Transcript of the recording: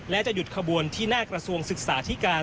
และจะหยุดขบวนที่หน้ากระทรวงศึกษาที่การ